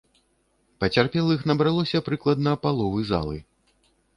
Пацярпелых набралося прыкладна паловы залы.